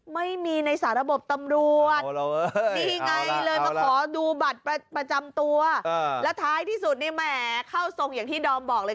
ไม่มีในสาระบบตำรวจนี่ไงเลยมาขอดูบัตรประจำตัวแล้วท้ายที่สุดนี่แหมเข้าทรงอย่างที่ดอมบอกเลย